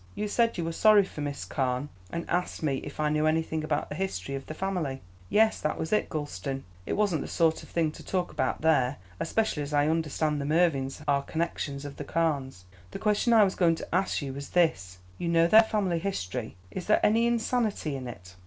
You said you were sorry for Miss Carne, and asked me if I knew anything about the history of the family." "Yes, that was it, Gulston; it wasn't the sort of thing to talk about there, especially as I understand the Mervyns are connections of the Carnes. The question I was going to ask you was this: You know their family history; is there any insanity in it?"